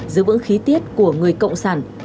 giữ vững khí tiết của người cộng sản